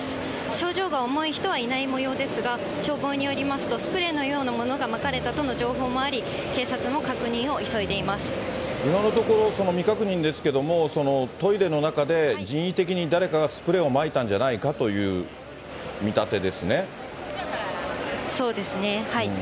症状が重い人はいないもようですが、消防によりますと、スプレーのようなものがまかれたとの情報もあり、今のところ、未確認ですけれども、トイレの中で人為的に誰かがスプレーをまいたんじゃないかというそうですね。